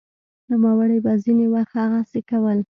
نوموړي به ځیني وخت هغسې کول